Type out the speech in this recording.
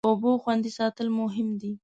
د اوبو خوندي ساتل مهم دی.